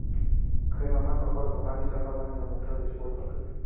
خیر محمد په خپله پخوانۍ صافه باندې د موټر ډشبورډ پاکوي.